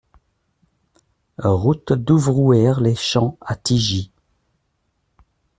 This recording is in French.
Route d'Ouvrouer Les Champs à Tigy